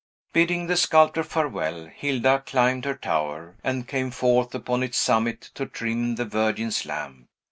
Bidding the sculptor farewell, Hilda climbed her tower, and came forth upon its summit to trim the Virgin's lamp.